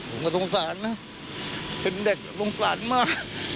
ผมก็สงสารนะเป็นเด็กสงสารมาก